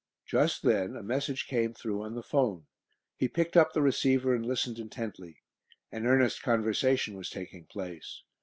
Just then a message came through on the 'phone. He picked up the receiver and listened intently. An earnest conversation was taking place.